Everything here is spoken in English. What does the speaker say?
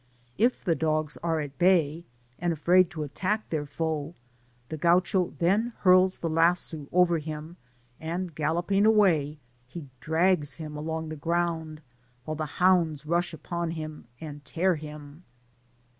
If the dogs are at bay, and afraid to attack their foe, the Gaucho then hurls the lasso over him, and galloping away, he drags him along the ground, while the hounds rush upon him and tear him.